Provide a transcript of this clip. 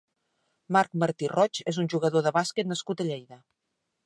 Marc Martí Roig és un jugador de bàsquet nascut a Lleida.